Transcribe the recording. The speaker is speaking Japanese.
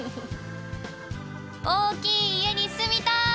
大きい家に住みたい！